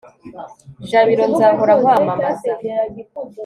jabiro, nzahora nkwamamaza